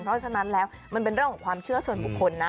เพราะฉะนั้นแล้วมันเป็นเรื่องของความเชื่อส่วนบุคคลนะ